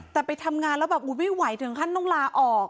แต่ไปทำงานแล้วแบบอุ๊ยไม่ไหวถึงขั้นต้องลาออก